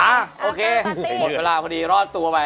โอเคหมดเวลาพอดีรอดตัวไป